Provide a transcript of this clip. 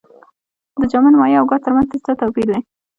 د جامد مایع او ګاز ترمنځ څه توپیر دی.